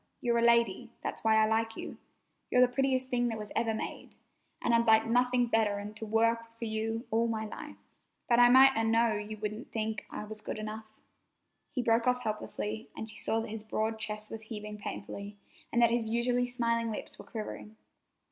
You're a lady. That's why I like you. You're the prettiest thing that was ever made, an' I'd like nothing better'n to work hard for you all my life. But I might 'a' known you wouldn't think I was good enough." He broke off helplessly, and she saw that his broad chest was heaving painfully and that his usually smiling lips were quivering.